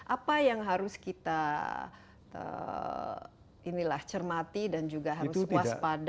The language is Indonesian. apa yang harus kita cermati dan juga harus waspada